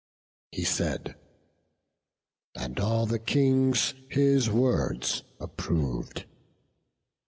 He said; and all the Kings his words approv'd.